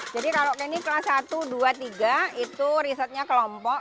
jadi kalau ini kelas satu dua tiga itu risetnya kelompok